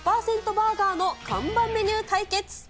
バーガーの看板メニュー対決。